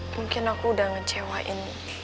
mungkin aku udah ngecewain